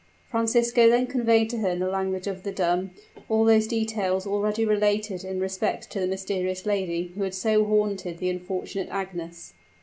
Francisco then conveyed to her in the language of the dumb, all those details already related in respect to the "mysterious lady" who had so haunted the unfortunate Agnes.